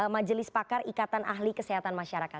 majelis pakar ikatan ahli kesehatan masyarakat